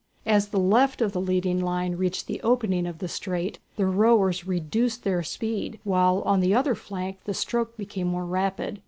As the left of the leading line reached the opening of the strait the rowers reduced their speed, while on the other flank the stroke became more rapid.